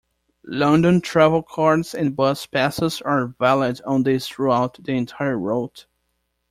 London Travelcards and Bus Passes are valid on these throughout the entire route.